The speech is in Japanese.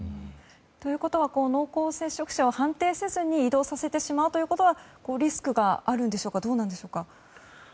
ということは濃厚接触者を判定せずに移動させてしまうということはリスクがあるんでしょうか。